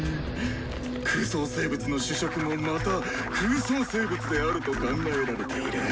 空想生物の主食もまた空想生物であると考えられている。